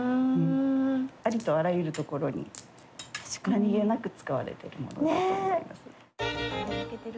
ありとあらゆるところに何気なく使われているものだと思います。